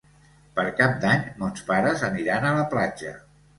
Per Cap d'Any mons pares aniran a la platja.